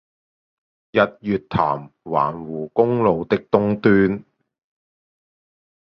日月潭環湖公路的東段